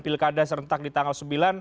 pilkada serentak di tanggal sembilan